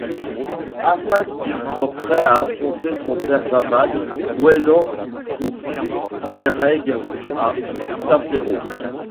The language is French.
Afin qu'il soit prêt à affronter son père Javad, Wellan confie Eanraig à Sappheiros.